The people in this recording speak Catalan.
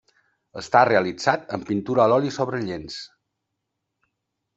Està realitzat en pintura a l'oli sobre llenç.